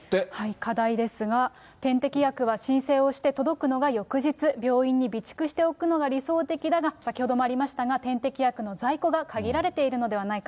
課題ですが、点滴薬は申請をして届くのが翌日、病院に備蓄しておくのが理想的だが、先ほどもありましたが、点滴薬の在庫が限られているのではないか。